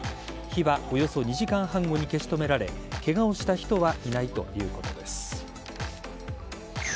火はおよそ２時間半後に消し止められケガをした人はいないということです。